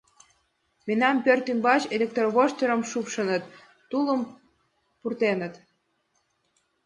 — Мемнан пӧрт ӱмбач электровоштырым шупшыныт, тулым пуртеныт.